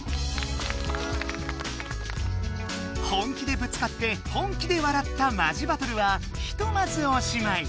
本気でぶつかって本気でわらったマジバトルはひとまずおしまい。